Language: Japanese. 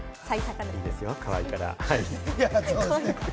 いいですよ、かわいいから。